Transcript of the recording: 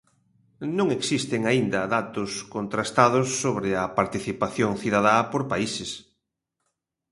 Non existen aínda datos contrastados sobre a participación cidadá por países.